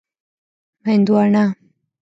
🍉 هندوانه